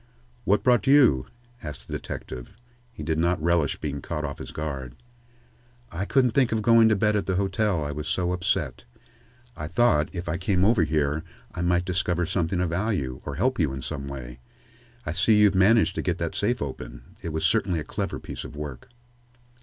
"What brought you?" asked the detective. He did not relish being caught off his guard. "I couldn't think of going to bed at the hotel, I was so upset. I thought, if I came over here, I might discover something of value, or help you in some way. I see you've managed to get that safe open. It was certainly a clever piece of work."